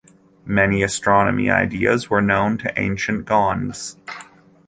Many astronomy ideas were known to ancient Gonds.